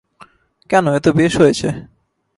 কেন, এ তো বেশ হয়েছে।